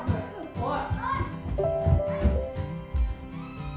おい！